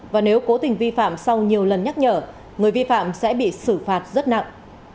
và nếu cố tình vi phạm sau nhiều lần nhắc nhở người vi phạm sẽ bị xử phạt rất nặng